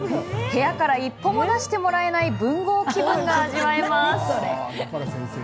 部屋から一歩も出してもらえない文豪気分が味わえます。